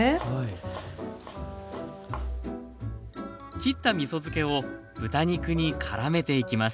切ったみそ漬けを豚肉にからめていきます